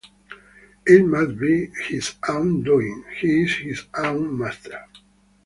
It must be his own doing; he is his own master.